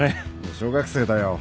小学生だよ。